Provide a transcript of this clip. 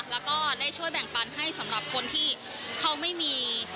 แล้วก็ได้ช่วยแบ่งปันให้สำหรับคนที่เขาไม่มี